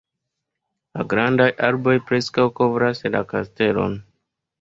La grandaj arboj preskaŭ kovras la kastelon.